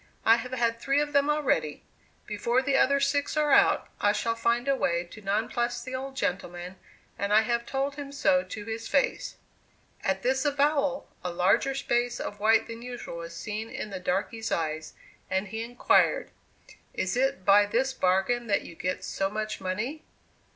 "I have had three of them already. Before the other six are out, I shall find a way to nonplus the old gentleman, and I have told him so to his face." At this avowal, a larger space of white than usual was seen in the darkey's eyes, and he inquired, "Is it by this bargain that you get so much money?"